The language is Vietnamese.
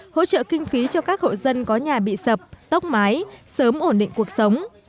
hỗ trợ kinh phí cho các hộ dân có nhà bị sập tốc mái sớm ổn định cuộc sống